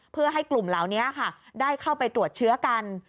เพื่อให้กลุ่มเหล่านี้ค่ะได้เข้าไปตรวจเชื้อกัน